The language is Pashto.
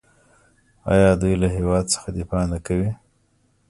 آیا دوی له هیواد څخه دفاع نه کوي؟